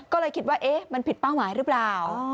ก็เลยคิดว่ามันผิดเป้าหมายหรือเปล่า